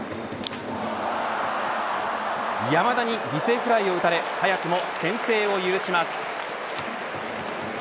山田に犠牲フライを打たれ早くも先制を許します。